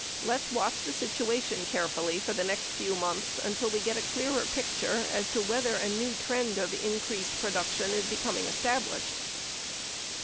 Let's watch the situa tion carefully for the next few months until we get a clearer picture as to whether a new trend of increased production is becoming established.